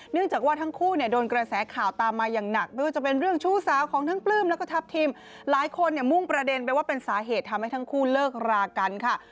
จากว่าทั้งคู่เนี่ยโดนกระแสข่าวตามมาอย่างหนักไม่ว่าจะเป็นเรื่องชู้สาวของทั้งปลื้มแล้วก็ทัพทิมหลายคนเนี่ยมุ่งประเด็นไปว่าเป็นสาเหตุทำให้ทั้งคู่เลิกรากันค่ะ